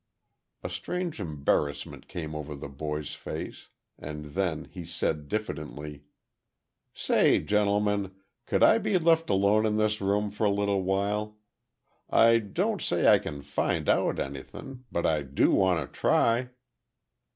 A strange embarrassment came over the boy's face, and then he said, diffidently: "Say, gentlemen, could I be left alone in this room for a little while? I don't say I kin find out anythin'—but I do wanta try."